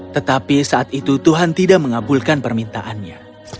tetapi saat itu tuhan tidak mengabulkan permintaannya